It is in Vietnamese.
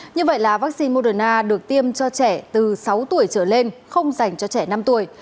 như vậy là vaccine moderna được tiêm cho trẻ từ sáu tuổi trở lên không dành cho trẻ năm tuổi